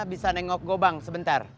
bisa nengok gobang sebentar